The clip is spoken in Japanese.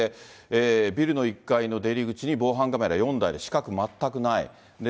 ビルの１階の出入り口に防犯カメラ４台で死角全くない。